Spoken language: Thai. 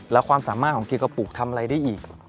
แล้วความสามารถของเกียร์กระปุกทำอะไรได้อีก